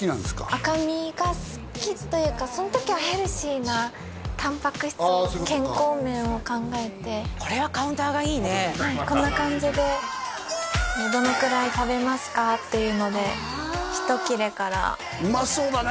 赤身が好きというかその時はヘルシーなタンパク質健康面を考えてこれはカウンターがいいねはいこんな感じで「どのくらい食べますか？」っていうのでひと切れからうまそうだね